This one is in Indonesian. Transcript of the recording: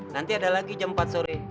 nanti ada lagi jam empat sore